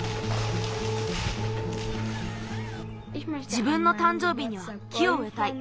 じぶんのたんじょうびには木をうえたい。